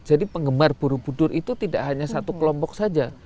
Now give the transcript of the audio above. jadi penggemar borobudur itu tidak hanya satu kelompok saja